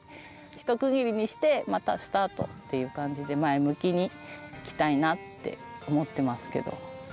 一区切りにしてまたスタートっていう感じで前向きにいきたいなって思ってますけど。